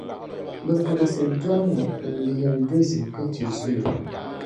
Bɛ puɣisiri dɔri ŋɔ n-yihi dozim ka chɛ zuni.